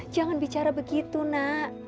jangan bicara begitu nak